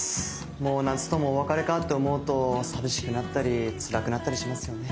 もう夏ともお別れかって思うと寂しくなったりつらくなったりしますよね。